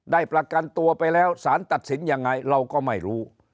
ประกันตัวไปแล้วสารตัดสินยังไงเราก็ไม่รู้